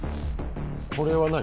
これは何？